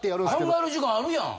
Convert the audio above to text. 考える時間あるやん。